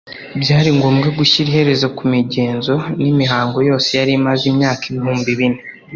byari ngombwa gushyira iherezo ku migenzo n'imihango yose yari imaze imyaka ibihumbi bine